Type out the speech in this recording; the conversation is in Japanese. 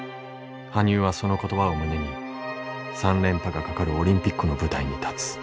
羽生はその言葉を胸に３連覇がかかるオリンピックの舞台に立つ。